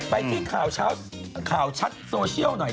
ไปที่ข่าวชัดโซเชียลหน่อย